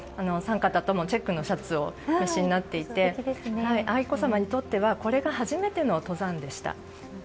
お三方ともチェックのシャツをお召しになっていて愛子さまにとってはこれが初めての登山でした。